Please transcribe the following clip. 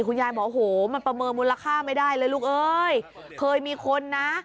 คุณยายบอกโอ้โหมันประเมินมูลค่าไม่ได้เลยลูกเอ้ยเคยมีคนนะ